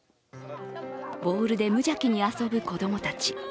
ボールで無邪気に遊ぶ子供たち。